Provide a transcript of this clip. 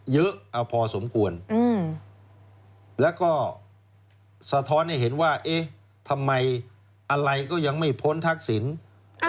เยอะเอาพอสมควรอืมแล้วก็สะท้อนให้เห็นว่าเอ๊ะทำไมอะไรก็ยังไม่พ้นทักศิลป์